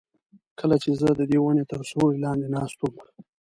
کله چې زه ددې ونې تر سیوري لاندې ناست وم.